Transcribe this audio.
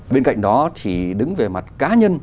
bên cạnh đó thì đứng về mặt cá nhân